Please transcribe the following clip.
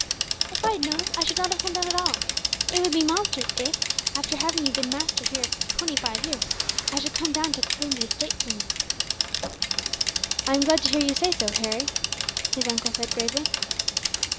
If I had known it, I should not have come down at all. It would be monstrous if, after you have been master here for twenty five years, I should come down to claim the estate from you." "I am glad to hear you say so, Harry," his uncle said, gravely.